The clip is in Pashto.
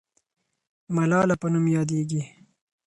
ملاله په نوم یادېږي.